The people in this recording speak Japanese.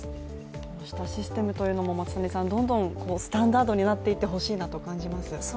こうしたシステムというのもスタンダードになってほしいなと感じます。